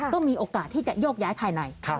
ก็มีโอกาสที่จะโยกย้ายภายใน